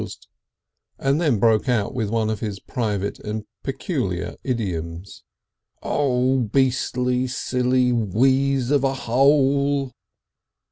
He paused, and then broke out with one of his private and peculiar idioms. "Oh! Beastly Silly Wheeze of a Hole!"